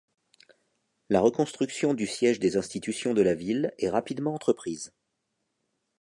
La reconstruction du siège des institutions de la ville est rapidement entreprise.